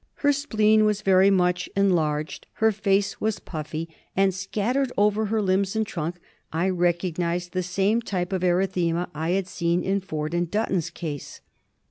Her spleen was very much enlarged, her face was puffy, and scattered over her limbs and trunk I recognised the same type of erythema I had seen in Forde and Button's case.